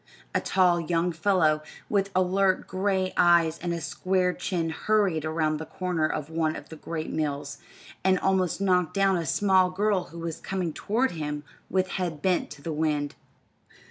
A tall young fellow, with alert gray eyes and a square chin hurried around the corner of one of the great mills, and almost knocked down a small girl who was coming toward him with head bent to the wind.